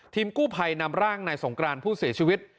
กู้ภัยนำร่างนายสงกรานผู้เสียชีวิต